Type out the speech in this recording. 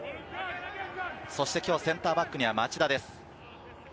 そして今日はセンターバックには町田です。